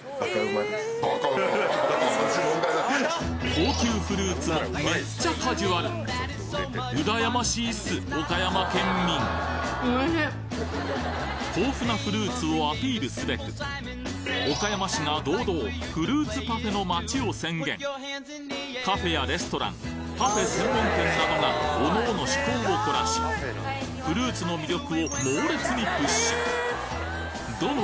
高級フルーツもめっちゃカジュアルうらやましいっす岡山県民豊富なフルーツをアピールすべく岡山市が堂々「フルーツパフェの街」を宣言カフェやレストランパフェ専門店などが各々趣向を凝らしフルーツの魅力を猛烈にプッシュどの